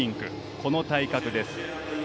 この体格です。